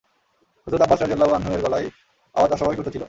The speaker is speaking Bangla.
হযরত আব্বাস রাযিয়াল্লাহু আনহু-এর গলায় আওয়াজ অস্বাভাবিক উচ্চ ছিল।